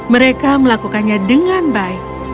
mereka melakukannya dengan baik